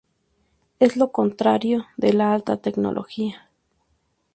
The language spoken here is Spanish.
Es lo contrario de la alta tecnología.